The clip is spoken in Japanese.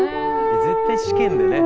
絶対試験でね。